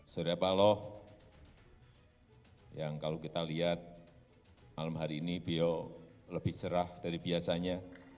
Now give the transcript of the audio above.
surya paloh yang kalau kita lihat malam hari ini bio lebih cerah dari biasanya